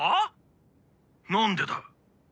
なんでだ？